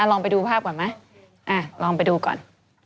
ลองไปดูภาพก่อนเนี่ย